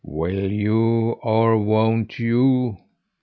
"Will you or won't you?"